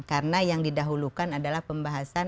karena yang didahulukan adalah pembahasan